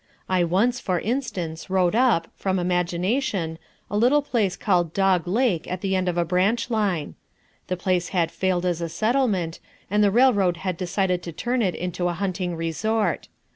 I once, for instance, wrote up, from imagination, a little place called Dog Lake at the end of a branch line. The place had failed as a settlement, and the railroad had decided to turn it into a hunting resort.